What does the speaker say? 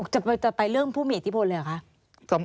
จะไปเรื่องผู้มีอิทธิพลเลยเหรอคะ